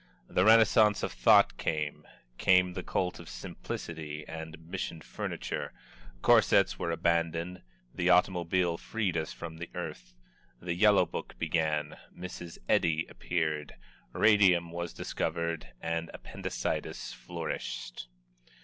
The Renaissance of thought came came the cult of simplicity and Mission furniture corsets were abandoned the automobile freed us from the earth the Yellow Book began, Mrs. Eddy appeared, radium was discovered and appendicitis flourished.